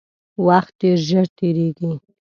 وخت ډیر ژر تیریږي